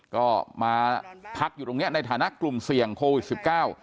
ก็มาพักอยู่ตรงนี้ในฐานะกลุ่มเสี่ยงโควิด๑๙